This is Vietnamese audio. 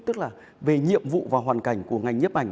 tức là về nhiệm vụ và hoàn cảnh của ngành nhiếp ảnh